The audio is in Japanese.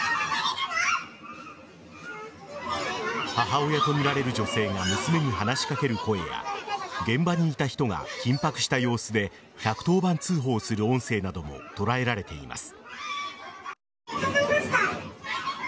母親とみられる女性が娘に話し掛ける声や現場にいた人が緊迫した様子で１１０番通報する音声なども捉えられています。